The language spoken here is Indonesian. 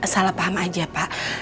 salah paham aja pak